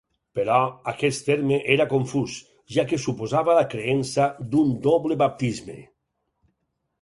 Però, aquest terme era confús, ja que suposava la creença d'un doble baptisme.